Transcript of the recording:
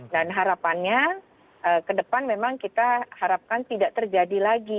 dan harapannya ke depan memang kita harapkan tidak terjadi lagi